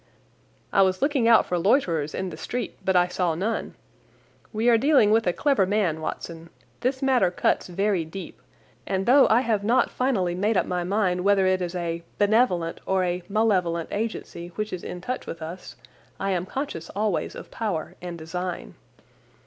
"I was looking out for loiterers in the street, but I saw none. We are dealing with a clever man, Watson. This matter cuts very deep, and though I have not finally made up my mind whether it is a benevolent or a malevolent agency which is in touch with us, I am conscious always of power and design.